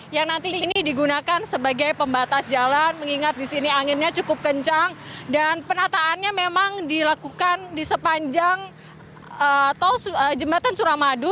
yang nanti ini digunakan sebagai pembatas jalan mengingat di sini anginnya cukup kencang dan penataannya memang dilakukan di sepanjang jembatan suramadu